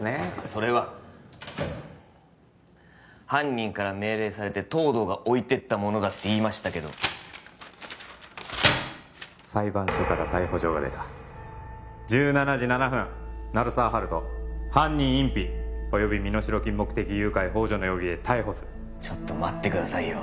それは犯人から命令されて東堂が置いてったものだって言いましたけど裁判所から逮捕状が出た１７時７分鳴沢温人犯人隠避および身代金目的誘拐ほう助の容疑で逮捕するちょっと待ってくださいよ